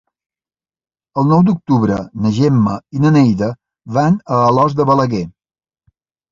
El nou d'octubre na Gemma i na Neida van a Alòs de Balaguer.